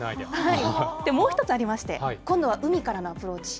もう１つありまして、今度は海からのアプローチ。